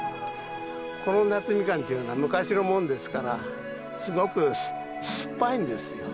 この夏みかんっていうのは昔のもんですからすごく酸っぱいんですよ。